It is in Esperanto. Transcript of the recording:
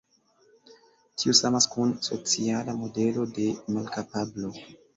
Tiu samas kun sociala modelo de malkapablo.